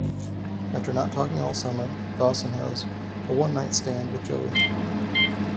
After not talking all summer, Dawson has a one-night stand with Joey.